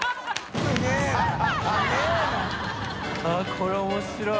これ面白い。